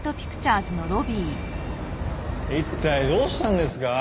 一体どうしたんですか？